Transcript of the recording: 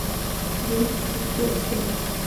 Jones, কী করছ?